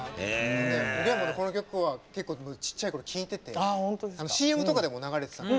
おげんもこの曲は、ちっちゃいころ、よく聴いててＣＭとかでも流れてたの。